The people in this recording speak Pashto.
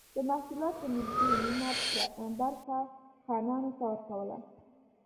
د محصولاتو نږدې نییمه برخه خانانو ته ورکوله.